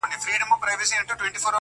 په حيرت حيرت يې وكتل مېزونه،